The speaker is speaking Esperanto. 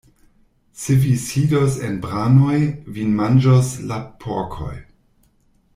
Se vi sidos en branoj, vin manĝos la porkoj.